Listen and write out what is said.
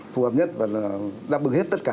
phường nhất và là đáp ứng hết tất cả